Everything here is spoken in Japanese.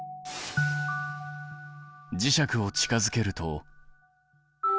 磁石を近づけると。